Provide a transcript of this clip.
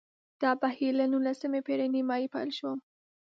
دا بهیر له نولسمې پېړۍ نیمايي پیل شو